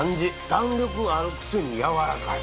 弾力あるくせに軟らかい。